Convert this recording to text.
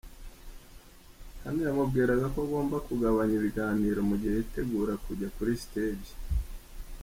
Hano yamubwiraga ko agomba kugabanya ibiganiro mu gihe yitegura kujya kuri stage.